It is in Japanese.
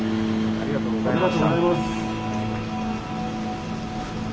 ありがとうございます。